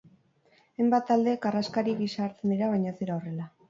Hainbat talde karraskari gisa hartzen dira baina ez dira horrela.